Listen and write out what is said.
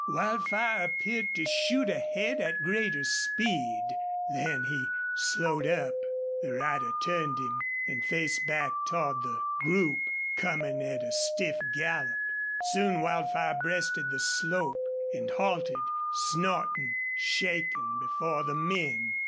Wildfire appeared to shoot ahead at greater speed. Then he slowed up. The rider turned him and faced back toward the group, coming at a stiff gallop. Soon Wildfire breasted the slope, and halted, snorting, shaking before the men.